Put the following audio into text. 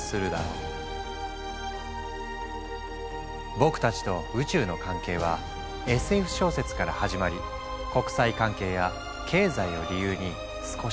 僕たちと宇宙の関係はＳＦ小説から始まり国際関係や経済を理由に少しずつ近づいてきた。